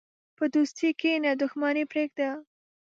په دوستۍ کښېنه، دښمني پرېږده.